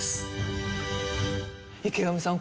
池上さん